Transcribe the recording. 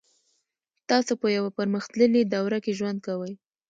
تاسو په یوه پرمختللې دوره کې ژوند کوئ